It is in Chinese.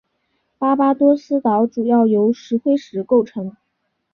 巴巴多斯岛主要由石灰石构成。